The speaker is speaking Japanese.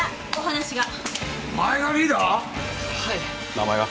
名前は？